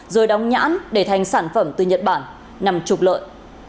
rồi đóng nhãn để thành sản phẩm từ nhật bản nằm trục lợi